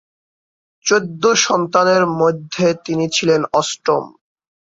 চৌদ্দ সন্তানের মধ্যে তিনি ছিলেন অষ্টম।